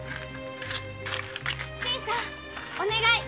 新さんお願い。